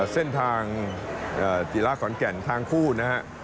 เส้นทางจีบร้าขอนแก่นทางคู่นะครับ